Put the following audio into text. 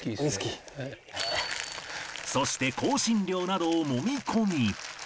そして香辛料などをもみ込み